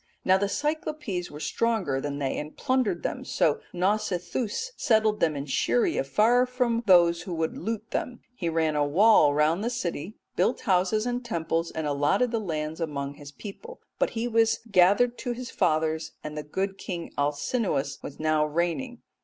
Now the Cyclopes were stronger than they and plundered them, so Nausithous settled them in Scheria far from those who would loot them. He ran a wall round about the city, built houses and temples, and allotted the lands among his people; but he was gathered to his fathers, and the good king Alcinous was now reigning.